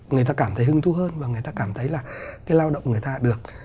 người ta cảm thấy hứng thú hơn và người ta cảm thấy là cái lao động người ta được